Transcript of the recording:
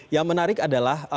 yang menarik adalah